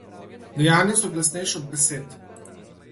Dejanja so glasnejša od besed.